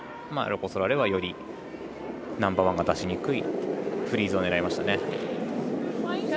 ロコ・ソラーレはよりナンバーワンが出しにくいフリーズを狙いましたね。